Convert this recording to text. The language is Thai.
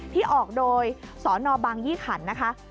ที่ออกโดยสนบางยี่ขันนะคะ